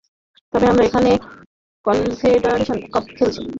তবে আমরা এখানে কনফেডারেশনস কাপ খেলেছি বলে হয়তো একটু এগিয়ে থাকব।